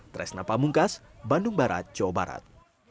tresna pamungkas bandung barat jawa barat